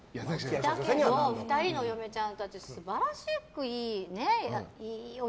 だけど２人の嫁ちゃんたち素晴らしく